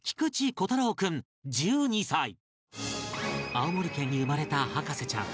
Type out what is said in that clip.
青森県に生まれた博士ちゃん